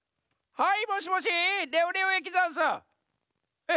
はい。